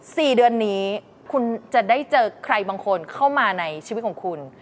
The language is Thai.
สี่เดือนนี้คุณจะได้เจอใครบางคนเข้ามาในชีวิตของคุณ